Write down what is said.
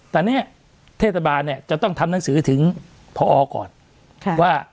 ตอนนี้เทศบาลจะต้องทำหนังสือถึงผนะ